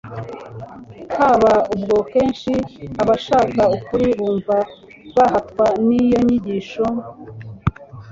Haba ubwo kenshi abashaka ukuri bumva bahatwa n'iyo nyigisho